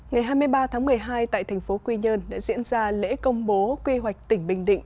ngày hai mươi ba tháng một mươi hai tại thành phố quy nhơn đã diễn ra lễ công bố quy hoạch tỉnh bình định